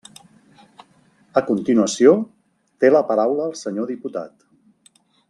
A continuació té la paraula el senyor diputat.